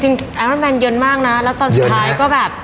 อันนั้นแนนเย็นมากนะแล้วตอนสุดท้ายก็แบบ